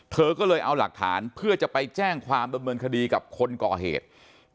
เธอก็เลยเอาหลักฐานเพื่อจะไปแจ้งความดำเนินคดีกับคนก่อเหตุ